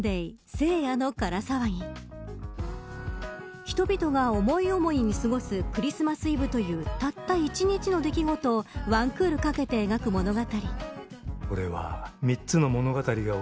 聖夜のから騒ぎ人々が思い思いに過ごすクリスマスイブというたった１日の出来事を１クールかけて描く物語。